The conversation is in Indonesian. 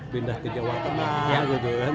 pindah ke jawa tengah gitu kan